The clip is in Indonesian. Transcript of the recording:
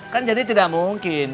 kan jadi tidak mungkin